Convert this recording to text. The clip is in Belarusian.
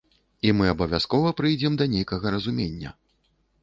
І мы абавязкова прыйдзем да нейкага разумення.